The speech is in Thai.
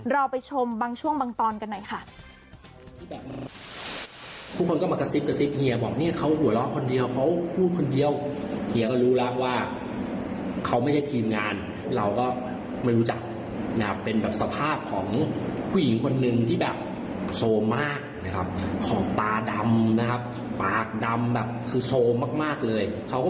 เราไปชมบางช่วงบางตอนกันหน่อยค่ะ